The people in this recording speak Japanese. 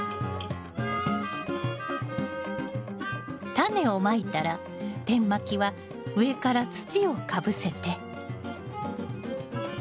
タネをまいたら点まきは上から土をかぶせて。